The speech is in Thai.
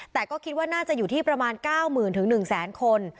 แต่ก็คิดว่าน่าจะอยู่ที่ประมาณ๙๐๐๐๑๐๐คน